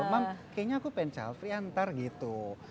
mam kayaknya aku pengen child free ntar gitu